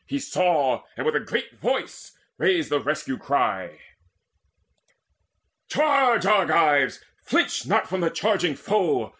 He saw, And with a great voice raised the rescue cry: "Charge, Argives! Flinch not from the charging foe!